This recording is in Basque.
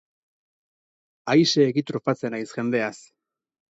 Aiseegi trufatzen haiz jendeaz.